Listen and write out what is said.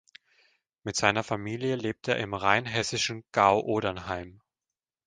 Mit seiner Familie lebt er im rheinhessischen Gau-Odernheim.